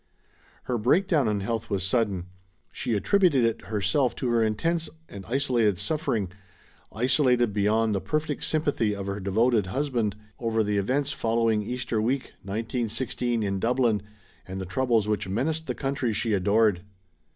Her breakdown in health was sudden. She attributed it herself to her intense and isolated suffering — ^isolated beyond the perfect sympathy of her devoted husband — DORA SIGERSON over the events following Eaater week, 1916, in Dublin, and the troubles which menaced the country she adored.